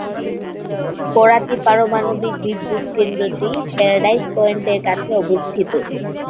করাচি পারমাণবিক বিদ্যুৎ কেন্দ্রটি প্যারাডাইস পয়েন্টের কাছে অবস্থিত।